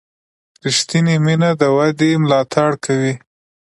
ریښتینې مینه د ودې ملاتړ کوي.